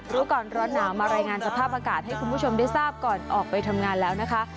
รู้ก่อนร้อนหนาวมารายงานสภาพอากาศให้คุณผู้ชมได้ทราบก่อนออกไปทำงานแล้วนะคะ